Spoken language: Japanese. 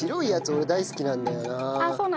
俺大好きなんだよな。